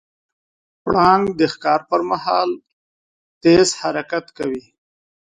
پړانګ د ښکار پر مهال تیز حرکت کوي.